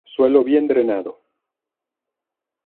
Suelo bien drenado.